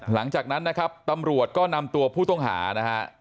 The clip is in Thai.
หลังจากนั้นนะครับตำรวจก็นำตัวผู้ต้องหานะฮะ